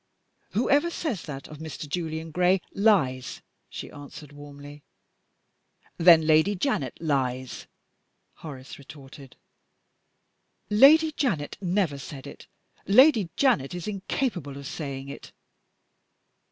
"Whoever says that of Mr. Julian Gray, lies!" she answered, warmly. "Then Lady Janet lies," Horace retorted. "Lady Janet never said it! Lady Janet is incapable of saying it!"